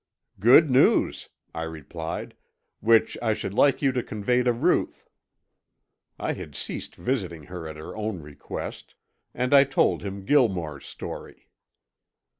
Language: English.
"Good news," I replied, "which I should like you to convey to Ruth" (I had ceased visiting her at her own request), and I told him Gilmore's story.